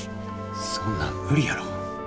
そんなん無理やろ。